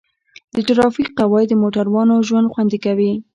د ټرافیک قواعد د موټروانو ژوند خوندي کوي.